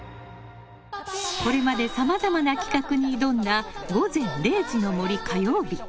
これまでさまざまな企画に挑んだ「午前０時の森」火曜日。